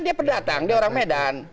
dia pendatang dia orang medan